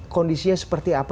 kondisinya seperti apa